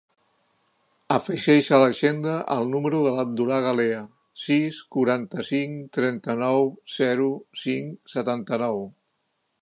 Afegeix a l'agenda el número de l'Abdullah Galea: sis, quaranta-cinc, trenta-nou, zero, cinc, setanta-nou.